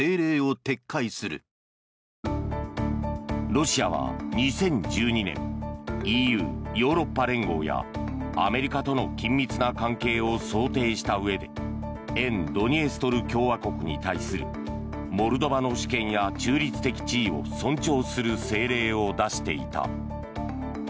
ロシアは２０１２年ＥＵ・ヨーロッパ連合やアメリカとの緊密な関係を想定したうえで沿ドニエストル共和国に対するモルドバの主権や中立的地位を尊重する政令を出していた。